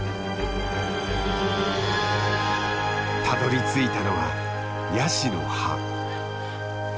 たどりついたのはヤシの葉。